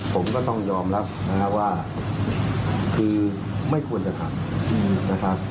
ผมก็ต้องยอมรับนะครับว่าคือไม่ควรจะทำนะครับ